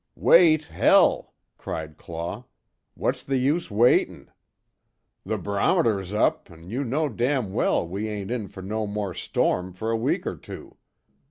"Wait hell!" cried Claw, "What's the use waitin'? The b'rom'ter's up, an' you know damn well we ain't in fer no more storm fer a week er two.